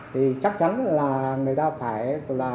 thì chắc chắn là người ta phải